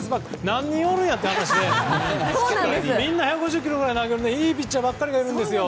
何人おるんや！って感じでみんな１５０キロくらい投げるいいピッチャーばっかりいるんですよ。